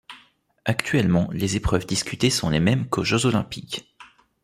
Actuellement, les épreuves disputées sont les mêmes qu'aux Jeux olympiques.